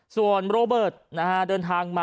ปอล์กับโรเบิร์ตหน่อยไหมครับ